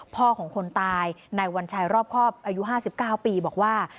พ่อของคนตายในวัญชัยรอบครอบอายุ๕๙ปีบอกว่า